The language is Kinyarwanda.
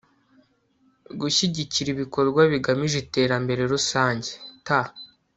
gushyigikira ibikorwa bigamije iterambere rusange t